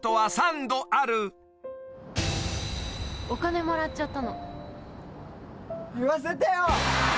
「お金もらっちゃったの」